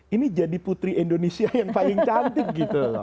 ini jadi putri indonesia yang paling cantik